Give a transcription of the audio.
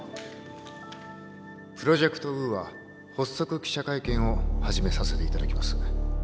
プロジェクト・ウーア発足記者会見を始めさせていただきます。